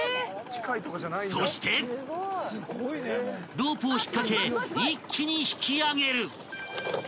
［ロープを引っ掛け一気に引き揚げる］